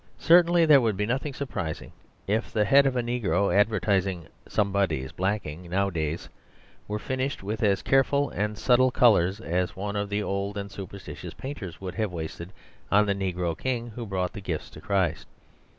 Certainly there would be nothing surprising if the head of a negro advertising Somebody's Blacking now adays were finished with as careful and subtle colours as one of the old and superstitious painters would have wasted on the negro king who brought gifts to Christ.